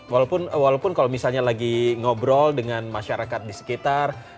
walaupun kalau misalnya lagi ngobrol dengan masyarakat disekitar